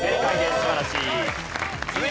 素晴らしい。